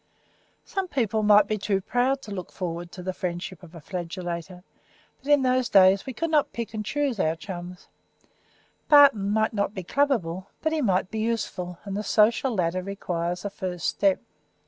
Some people might be too proud to look forward to the friendship of a flagellator, but in those days we could not pick and choose our chums; Barton might not be clubable, but he might be useful, and the social ladder requires a first step.